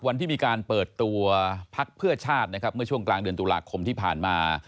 วันที่มีการเปิดตัวพักเพื่อชาตินะครับเมื่อช่วงกลางเดือนตุลาคมที่ผ่านมา